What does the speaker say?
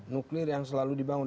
nuklir yang selalu dibangun